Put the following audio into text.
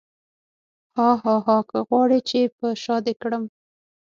هاهاها که غواړې چې په شاه دې کړم.